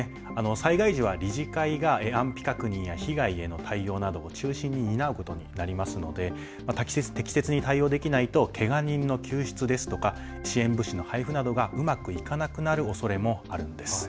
災害時は理事会が安否確認や被害などへの対応などを中心に担うことになりますので適切に対応できないとけが人の救出ですとか支援物資の配布などがうまくいかなくなるおそれもあるんです。